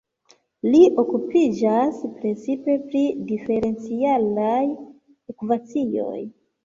Li okupiĝas precipe pri diferencialaj ekvacioj.